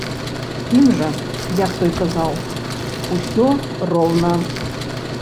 Ім жа, як той казаў, усё роўна.